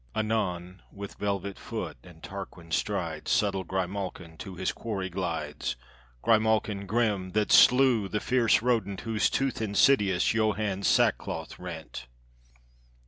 Anon, with velvet foot and Tarquin strides, Subtle grimalkin to his quarry glides,—Grimalkin grim, that slew the fierce rodentWhose tooth insidious Johann's sackcloth rent.